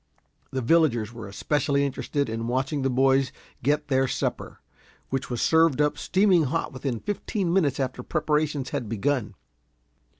The villagers were especially interested in watching the boys get their supper, which was served up steaming hot within fifteen minutes after preparations had begun.